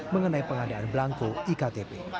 mengenai pengadaan belangko iktp